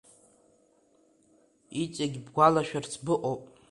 Ицегь бгәалашәарц быҟоуп.